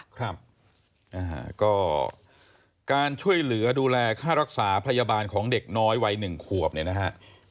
ครับนะฮะก็การช่วยเหลือดูแลค่ารักษาพยาบาลของเด็กน้อยวัยหนึ่งขวบเนี่ยนะฮะ